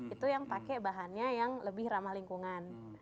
itu yang pakai bahannya yang lebih ramah lingkungan